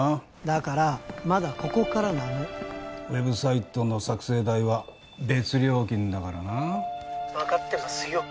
だからまだここからなのウェブサイトの作成代は別料金だからな☎分かってますよ